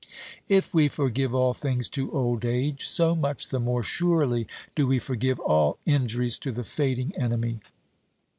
If we forgive all things to old age, so much the more surely do we forgive all injuries to the fading enemy.